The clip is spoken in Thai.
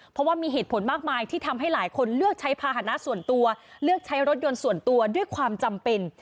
เพราะว่ามีเหตุผลมากมายที่ทำให้หลายคนเลือกใช้ภาษณะส่วนตัวเลือกใช้รถยนต์ส่วนตัวด้วยความจำเป็น